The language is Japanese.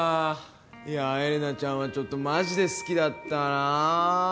いやぁエレナちゃんはちょっとマジで好きだったなぁ。